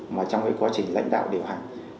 mà trong quá trình lãnh đạo điều hành